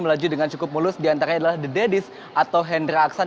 melaju dengan cukup mulus diantaranya adalah the daddies atau hendra aksan